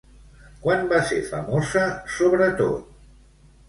Quan va ser famosa sobretot?